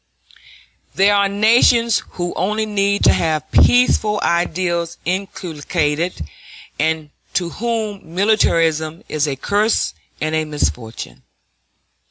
There are nations who only need to have peaceful ideals inculcated, and to whom militarism is a curse and a misfortune.